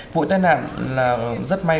vụ tai nạn là rất may